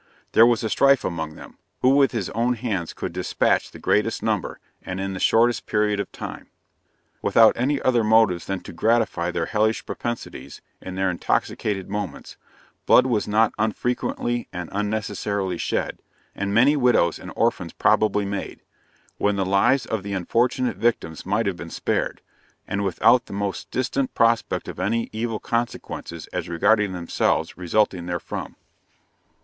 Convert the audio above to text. there was a strife among them, who with his own hands could despatch the greatest number, and in the shortest period of time. Without any other motives than to gratify their hellish propensities (in their intoxicated moments), blood was not unfrequently and unnecessarily shed, and many widows and orphans probably made, when the lives of the unfortunate victims might have been spared, and without the most distant prospect of any evil consequences (as regarded themselves), resulting therefrom.